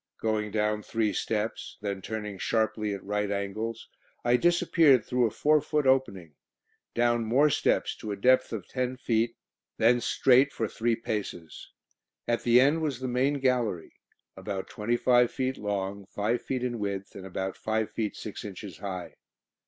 Going down three steps, then turning sharply at right angles, I disappeared through a four foot opening; down more steps to a depth of ten feet, then straight for three paces. At the end was the main gallery, about twenty five feet long, five feet in width, and five feet six inches high.